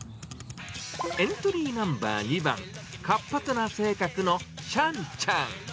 エントリーナンバー２番、活発な性格のしゃんちゃん。